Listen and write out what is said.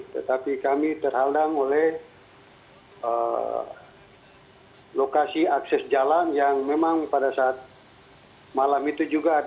tetapi kami terhadang oleh lokasi akses jalan yang memang pada saat malam itu juga ada